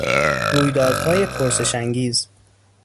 رویدادهای پرسشانگیز